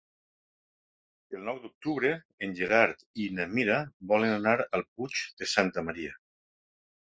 El nou d'octubre en Gerard i na Mira volen anar al Puig de Santa Maria.